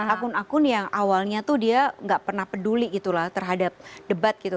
akun akun yang awalnya tuh dia gak pernah peduli gitu lah terhadap debat gitu